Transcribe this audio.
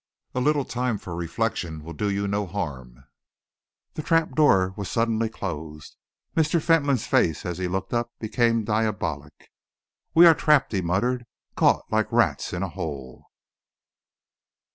A little time for reflection will do you no harm." The trap doors were suddenly closed. Mr. Fentolin's face, as he looked up, became diabolic. "We are trapped!" he muttered; "caught like rats in a hole!"